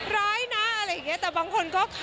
ร้ายนะแต่บางก็คนก็ขอบคุณ